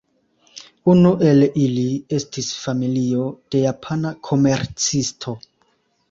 Unu el ili estis familio de japana komercisto.